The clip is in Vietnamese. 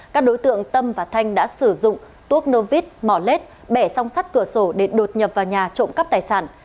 các đối tượng tâm và thanh đã sử dụng tuốc nô vít mỏ lết bẻ song sắt cửa sổ để đột nhập vào nhà trộm cắp tài sản